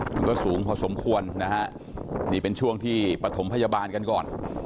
มันก็สูงพอสมควรนะฮะนี่เป็นช่วงที่ปฐมพยาบาลกันก่อน